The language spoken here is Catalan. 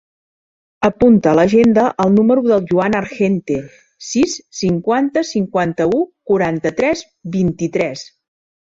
Apunta a l'agenda el número del Joan Argente: sis, cinquanta, cinquanta-u, quaranta-tres, vint-i-tres.